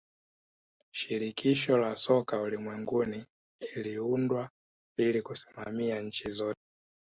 shirikisho la soka ulimwenguni liliundwa ili kusimamia nchi zote